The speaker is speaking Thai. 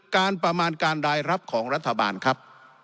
การประมาณการรายรับของรัฐบาลครับ